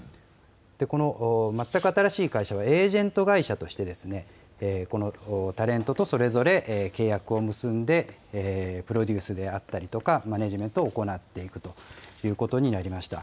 この全く新しい会社は、エージェント会社として、タレントとそれぞれ契約を結んで、プロデュースであったりとか、マネジメントを行っていくということになりました。